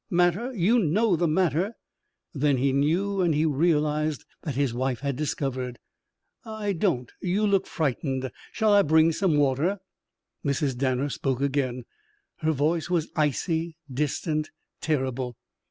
Matter! You know the matter!" Then he knew and he realized that his wife had discovered. "I don't. You look frightened. Shall I bring some water?" Mrs. Danner spoke again. Her voice was icy, distant, terrible.